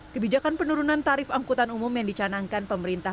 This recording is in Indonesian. kebijakan penurunan tarif angkutan umum yang dicanangkan pemerintah